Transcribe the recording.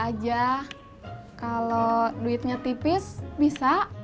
aja kalau duitnya tipis bisa